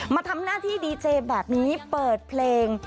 มาทำหน้าที่ดีเจแบบนี้เปิดเพลง